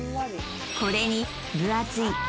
これに分厚い